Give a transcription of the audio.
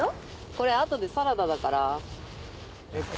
これ後でサラダだから。